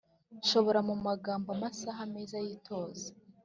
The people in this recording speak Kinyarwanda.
nshobora mumagambo amasaha meza yitoza,